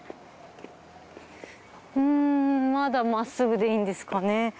うんまだまっすぐでいいんですかね？